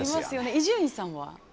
伊集院さんは？